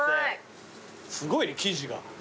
すごいね生地が。